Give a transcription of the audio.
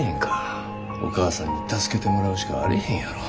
お義母さんに助けてもらうしかあれへんやろ。